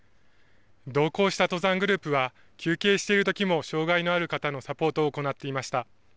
同行した登山グループは、休憩しているときも障害のある方のサポートを行っていました。